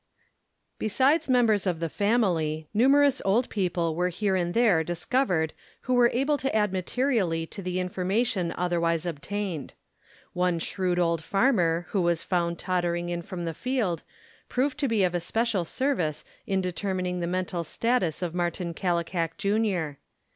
Besides members of the family, numerous old people were here and there discovered who were able to add materially to the information otherwise obtained. One shrewd old farmer who was found tottering in from FACTS ABOUT THE KALLIKAK FAMILY 83 the field proved to be of especial service in determining the mental status of Martin Kallikak Jr.